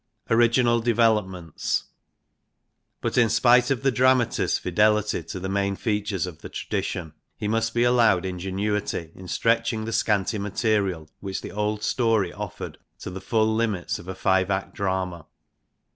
Original developments. But in spite of the dra matist's fidelity to the main features of the tradition, he must be allowed ingenuity in stretching the scanty material, which the old story offered, to the full limits of a five act drama.